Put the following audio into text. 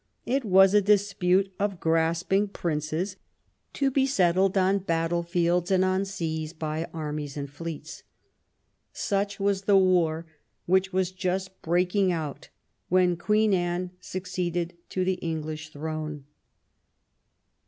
It was a dispute of grasping princes, to be settled on battle fields and on seas by armies and fleets. Such was the war which was just breaking out when Queen Anne succeeded to the English throne.